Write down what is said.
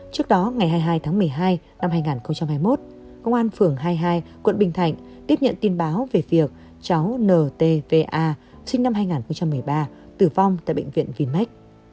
trước đó ngày hai mươi hai tháng một mươi hai năm hai nghìn hai mươi một công an phường hai mươi hai quận bình thạnh tiếp nhận tin báo về việc cháu ntva sinh năm hai nghìn một mươi ba tử vong tại bệnh viện vinmec